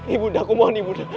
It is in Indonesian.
ibu nda aku mohon ibu nda